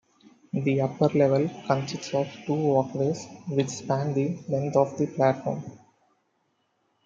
The upper level consists of two walkways which span the length of the platform.